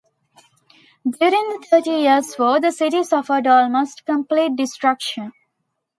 During the Thirty Years' War the city suffered almost complete destruction.